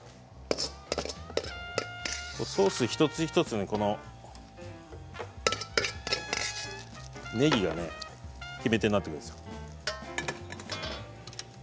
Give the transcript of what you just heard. ソース一つ一つにこのねぎが決め手になってくるんですよ。